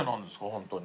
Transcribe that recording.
ホントに。